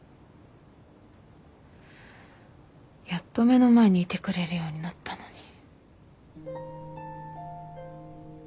やっと目の前にいてくれるようになったのに。